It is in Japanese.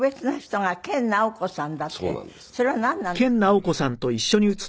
それはなんなんですか？